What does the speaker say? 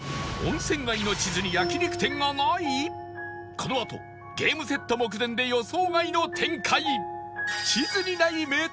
このあとゲームセット目前で予想外の展開